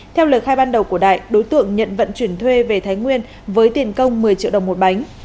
theo lời khai ban đầu của đại đối tượng nhận vận chuyển thuê về thái nguyên với tiền công một mươi triệu đồng một bánh